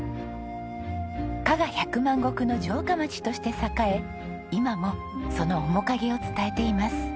加賀百万石の城下町として栄え今もその面影を伝えています。